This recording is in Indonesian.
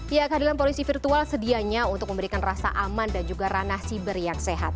ya kehadiran polisi virtual sedianya untuk memberikan rasa aman dan juga ranah siber yang sehat